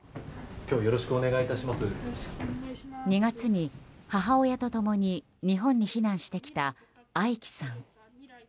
２月に母親と共に日本に避難してきたアイキさん。